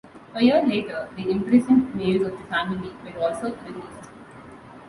A year later, the imprisoned males of the family were also released.